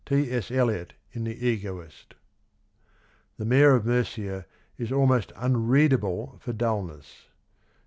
— T. S. Eliot in The Egoist. " The Mayor of Murcia is almost unreadable for dullness."